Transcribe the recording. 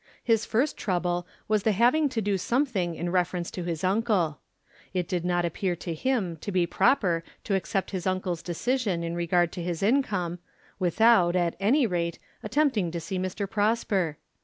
His first trouble was the having to do something in reference to his uncle. It did not appear to him to be proper to accept his uncle's decision in regard to his income, without, at any rate, attempting to see Mr. Prosper.